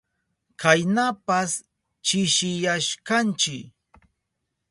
Kaynapas chishiyashkanchi.